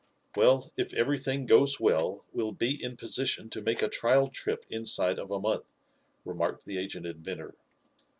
"Well, if everything goes well we'll be in position to make a trial trip inside of a month," remarked the aged inventor.